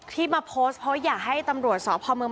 ที่มาโพสต์เพราะอยากให้ตำรวจสพเมือง